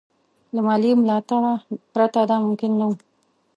له مالي ملاتړه پرته دا ممکن نه وو.